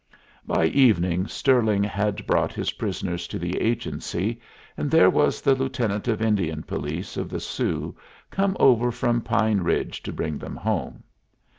By evening Stirling had brought his prisoners to the agency, and there was the lieutenant of Indian police of the Sioux come over from Pine Ridge to bring them home.